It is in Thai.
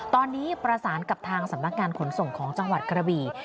ตอนนี้ประสานกับทางสำนักงานขนส่งของจังหวัดกระบี่